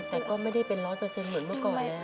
เริ่มดีขึ้นแต่ก็ไม่ได้เป็นร้อยเปอร์เซ็นต์เหมือนเมื่อก่อนแล้ว